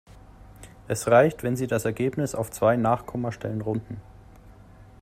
Es reicht, wenn Sie das Ergebnis auf zwei Nachkommastellen runden.